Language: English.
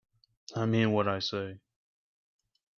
I mean what I say.